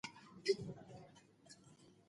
چرګې په دښت کې نه دي.